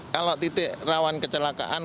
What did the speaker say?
kalau titik rawan kecelakaan